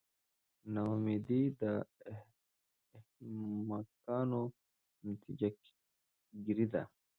نا امیدي د احمقانو نتیجه ګیري ده.